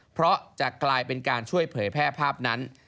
เพราะจะกลายเป็นการช่วยเผยแพร่ภาพนั้น